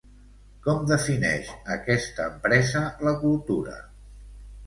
Com defineix aquesta empresa la cultura?